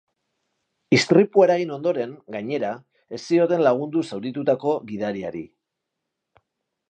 Istripua eragin ondoren, gainera, ez zioten lagundu zauritutako gidariari.